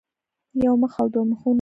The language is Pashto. يو مخ او دوه مخونه